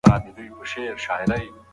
موږ په انټرنیټ کې د نړۍ نقشه ګورو.